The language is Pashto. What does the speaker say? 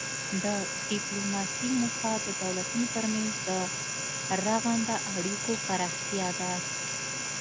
د ډیپلوماسي موخه د دولتونو ترمنځ د رغنده اړیکو پراختیا ده